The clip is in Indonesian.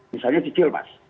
misalnya cicil mas